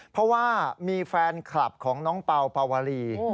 เพราะว่ามีแฟนคลับของน้องเป่าปาวลี